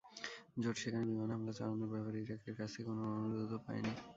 জোট সেখানে বিমান হামলা চালানোর ব্যাপারে ইরাকের কাছ থেকে কোনো অনুরোধও পায়নি।